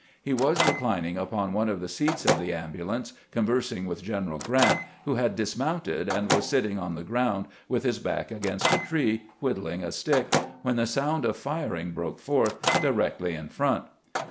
He was reclining upon one of the seats of the ambulance, conversing with Gen eral Grant, who had dismounted and was sitting on the ground with his back against a tree, whittling a stick, when the sound of firing broke forth directly in front.